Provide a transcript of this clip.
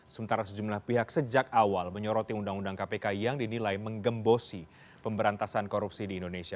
sementara sejumlah pihak sejak awal menyoroti undang undang kpk yang dinilai menggembosi pemberantasan korupsi di indonesia